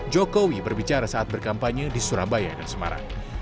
jokowi berbicara saat berkampanye di surabaya dan semarang